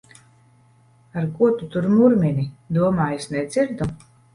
Ar ko tu tur murmini? Domā, es nedzirdu!